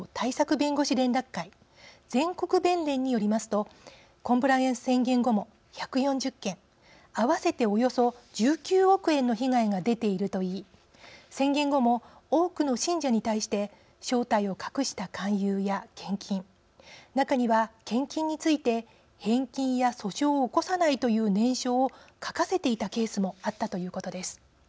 弁護士連絡会＝全国弁連によりますとコンプライアンス宣言後も１４０件合わせて、およそ１９億円の被害が出ているといい宣言後も多くの信者に対して正体を隠した勧誘や献金中には献金について返金や訴訟を起こさないという念書を書かせていたケースもあったということです。